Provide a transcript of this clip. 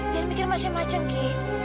jangan mikir macam macam gi